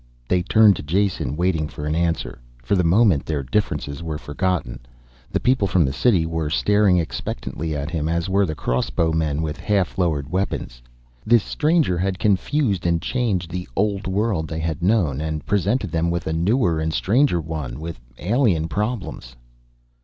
They turned to Jason, waiting for an answer. For the moment their differences were forgotten. The people from the city were staring expectantly at him, as were the crossbowmen with half lowered weapons. This stranger had confused and changed the old world they had known, and presented them with a newer and stranger one, with alien problems.